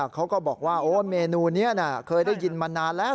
เขาก็บอกว่าเมนูนี้เคยได้ยินมานานแล้ว